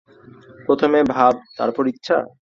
প্রথমে ভাব, তারপর ইচ্ছা।